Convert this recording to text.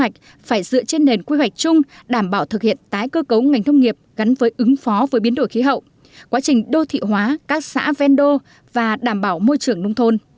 tiêu chí số hai phải dựa trên nền quy hoạch chung đảm bảo thực hiện tái cơ cấu ngành thông nghiệp gắn với ứng phó với biến đổi khí hậu quá trình đô thị hóa các xã vendo và đảm bảo môi trường nông thôn